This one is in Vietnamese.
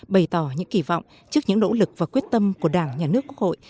bày tỏ những kỳ vọng trước những nỗ lực và quyết tâm của đảng nhà nước quốc hội